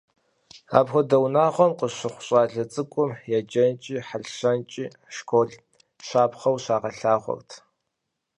Апхуэдэ унагъуэм къыщыхъу щӀалэ цӀыкӀур еджэнкӀи хьэлщэнкӀи школым щапхъэу щагъэлъагъуэрт.